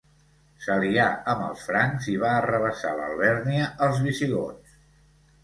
S'alià amb els francs i va arrabassar l'Alvèrnia als visigots.